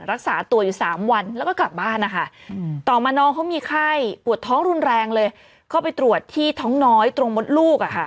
รักษาตัวอยู่๓วันแล้วก็กลับบ้านนะคะต่อมาน้องเขามีไข้ปวดท้องรุนแรงเลยเข้าไปตรวจที่ท้องน้อยตรงมดลูกอ่ะค่ะ